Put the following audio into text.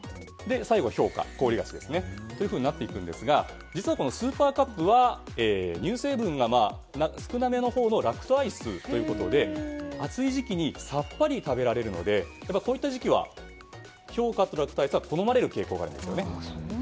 最後は氷菓、氷菓子というふうになっていくんですが実は、スーパーカップは乳成分が少なめのほうのラクトアイスということで暑い時期にさっぱり食べられるのでこういった時期は氷菓とラクトアイスは好まれる傾向があります。